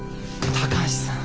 高橋さん